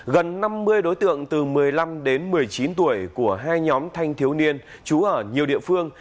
gần năm mươi đối tượng từ một mươi năm đến một mươi chín tuổi của hai nhóm thanh thiếu niên trú ở nhiều địa phương